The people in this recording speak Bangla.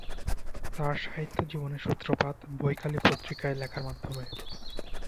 তার সাহিত্য জীবন সূত্রপাত 'বৈকালী'পত্রিকায় লেখার মাধ্যমে।